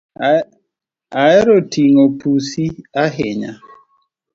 Ahero ting’o pusi ahinya